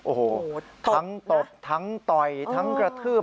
โอ้โหทั้งตบทั้งต่อยทั้งกระทืบ